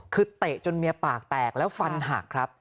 คือเตะจนเมียปากแตกแล้วฟันหักครับ